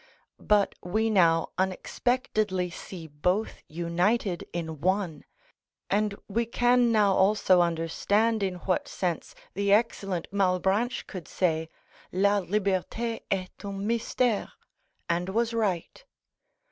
But we now unexpectedly see both united in one, and we can also now understand in what sense the excellent Malebranche could say, "La liberté est un mystère," and was right.